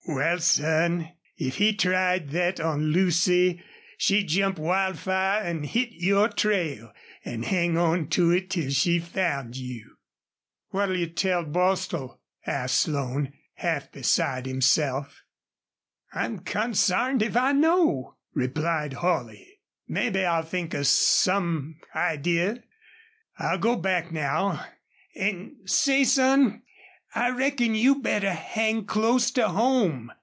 "Wal, son, if he tried thet on Lucy she'd jump Wildfire an' hit your trail an' hang on to it till she found you." "What'll you tell Bostil?" asked Slone, half beside himself. "I'm consarned if I know," replied Holley. "Mebbe I'll think of some idee. I'll go back now. An' say, son, I reckon you'd better hang close to home.